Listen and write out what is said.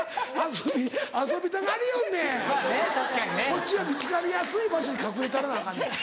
こっちは見つかりやすい場所に隠れたらなアカンねん。